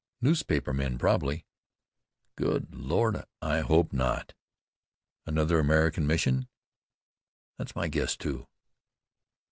"Newspaper men probably." "Good Lord! I hope not." "Another American mission." "That's my guess, too."